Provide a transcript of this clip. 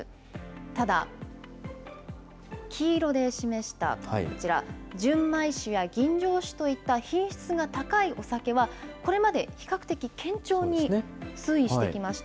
ただ、黄色で示したこちら、純米酒や吟醸酒といった品質が高いお酒は、これまで比較的堅調に推移してきました。